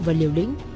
và liều lĩnh